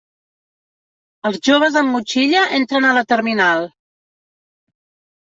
Els joves amb motxilla entren a la terminal.